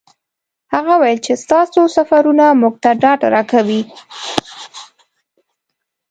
هغه وویل چې ستاسو سفرونه موږ ته ډاډ راکوي.